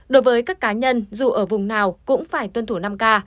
đối với các cá nhân dù ở vùng nào cũng phải tuân thủ năm k